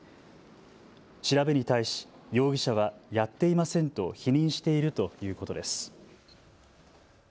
調べに対し容疑者はやっていませんと否認しているということです。